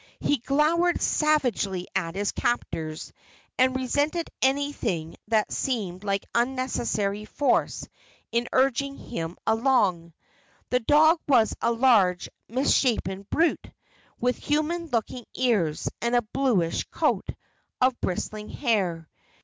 He glowered savagely at his captors, and resented anything that seemed like unnecessary force in urging him along. The dog was a large, misshapen brute, with human looking ears and a bluish coat of bristling hair.